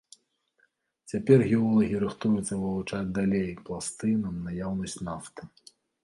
Цяпер геолагі рыхтуюцца вывучаць далей пласты на наяўнасць нафты.